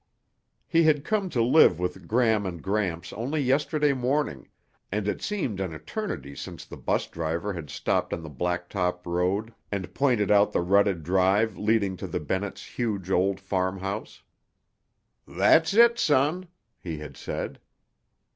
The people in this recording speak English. He had come to live with Gram and Gramps only yesterday morning and it seemed an eternity since the bus driver had stopped on the blacktop road and pointed out the rutted drive leading to the Bennetts' huge old farmhouse. "That's it, son," he had said.